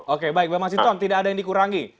oke baik bang mas hinton tidak ada yang dikurangi